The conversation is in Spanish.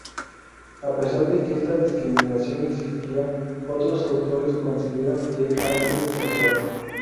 A pesar de que esta discriminación existía, otros autores consideran que ha sido exagerada.